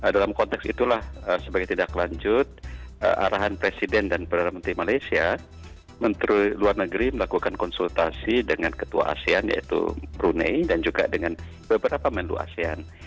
dalam konteks itulah sebagai tindak lanjut arahan presiden dan perdana menteri malaysia menteri luar negeri melakukan konsultasi dengan ketua asean yaitu brunei dan juga dengan beberapa menlu asean